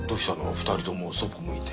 ２人ともそっぽ向いて。